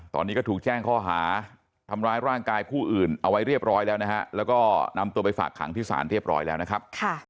ตอนนี้ก็ถูกแจ้งข้อหาทำร้ายร่างกายผู้อื่นเอาไว้เรียบร้อยแล้วนะฮะแล้วก็นำตัวไปฝากขังที่ศาลเรียบร้อยแล้วนะครับ